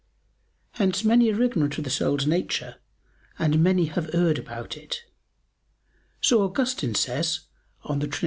Hence many are ignorant of the soul's nature, and many have erred about it. So Augustine says (De Trin.